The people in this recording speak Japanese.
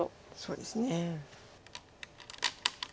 そうですね。